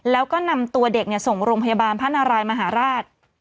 แล้วก็นำตัวเด็กส่งโรงพยาบาลพระนารายมหาราช